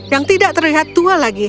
yang tidak terlihat tua lagi